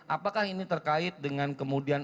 apakah ini terkait dengan kemudian